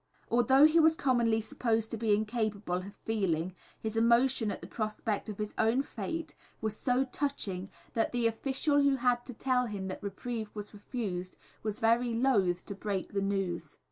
Although he was commonly supposed to be incapable of feeling, his emotion at the prospect of his own fate was so touching that the official who had to tell him that reprieve was refused was very loth to break the news.